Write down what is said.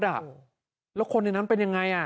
แล้วคนในนั้นเป็นยังไง